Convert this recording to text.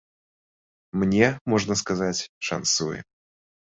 Мне, можна сказаць, шанцуе.